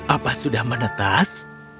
apa sudah menetas